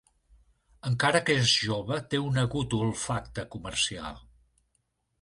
Encara que és jove, té un agut olfacte comercial.